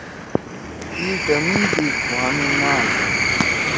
اِی ٹمی دی کُھوا می نال